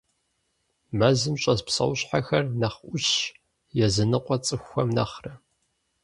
Мэзым щӀэс псэущхьэхэр нэхъ Ӏущщ языныкъуэ цӏыхухэм нэхърэ.